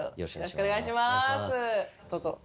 どうぞ。